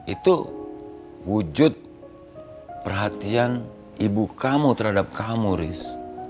itu wujud perhatian ibu kamu terhadap kamu riz